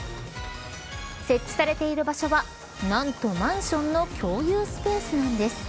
設置されている場所は何とマンションの共有スペースなんです。